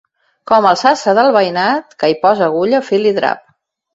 Com el sastre del veïnat, que hi posa agulla, fil i drap.